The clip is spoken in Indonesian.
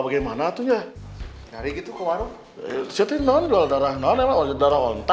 bagaimana tuh ya dari gitu ke warung